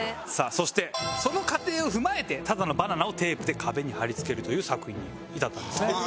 そしてその過程を踏まえてただのバナナをテープで壁に貼り付けるという作品に至ったんですね。